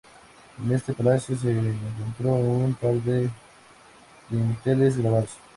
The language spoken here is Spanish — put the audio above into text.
En este palacio se encontró un par de dinteles grabados.